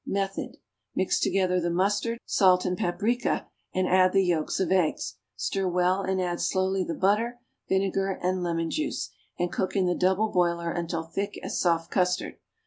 Method. Mix together the mustard, salt and paprica, and add the yolks of eggs; stir well and add slowly the butter, vinegar and lemon juice, and cook in the double boiler until thick as soft custard.